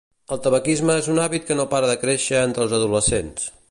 El tabaquisme és un hàbit que no para de créixer entre els adolescents.